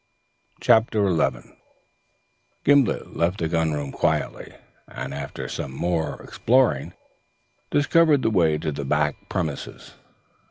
CHAPTER XI Gimblet left the gun room quietly; and after some more exploring discovered the way to the back premises.